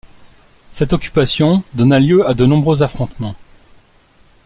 Cette occupation donna lieu à de nombreux affrontements.